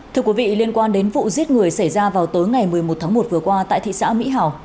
thưa quý vị liên quan đến vụ giết người xảy ra vào tối ngày một mươi một tháng một vừa qua tại thị xã mỹ hảo